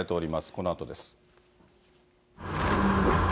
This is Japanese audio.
このあとです。